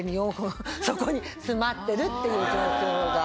そこに詰まってるっていう状況が。